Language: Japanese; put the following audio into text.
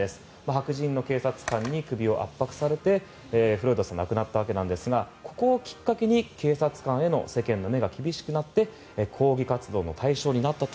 白人の警察官に首を圧迫されてフロイドさんは亡くなったわけですがここをきっかけに警察官への世間の目が厳しくなって抗議活動の対象になったと。